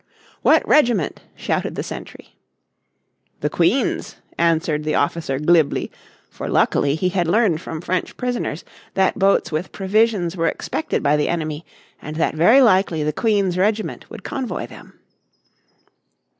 "What regiment?" shouted the sentry. "The Queen's," answered the officer glibly, for luckily he had learned from French prisoners that boats with provisions were expected by the enemy, and that very likely the Queen's regiment would convoy them.